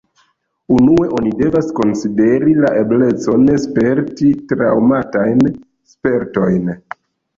Unue oni devas konsideri la eblecon sperti traŭmatajn spertojn.